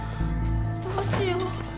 どうしよう。